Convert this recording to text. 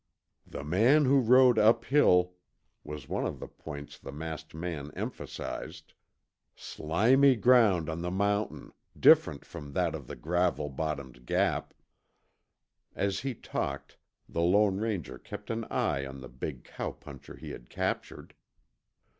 " the man who rode uphill " was one of the points the masked man emphasized, " slimy ground on the mountain, different from that of the gravel bottomed Gap " As he talked, the Lone Ranger kept an eye on the big cowpuncher he had captured.